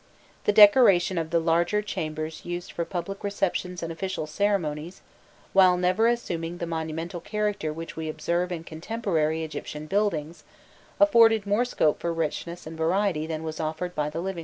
The decoration of the larger chambers used for public receptions and official ceremonies, while never assuming the monumental character which we observe in contemporary Egyptian buildings, afforded more scope for richness and variety than was offered by the living rooms.